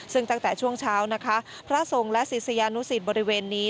ซึ่งตั้งแต่ช่วงเช้านะคะพระสงฆ์และศิษยานุสิตบริเวณนี้